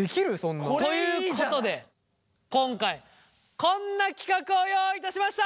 これいいじゃない！ということで今回こんな企画を用意いたしました！